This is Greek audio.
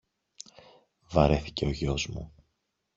Βαρέθηκε ο γιος μου